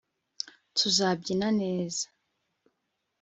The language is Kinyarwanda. tuzabyina neza